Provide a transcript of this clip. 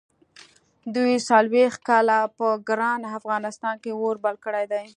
دوی څلوېښت کاله په ګران افغانستان کې اور بل کړی دی.